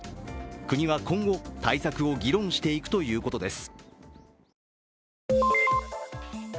国は今後、対策を議論していくということです。